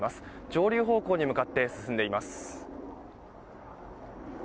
上流方向に向かって進んでいます。